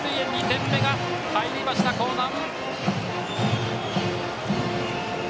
２点目が入りました興南。